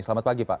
selamat pagi pak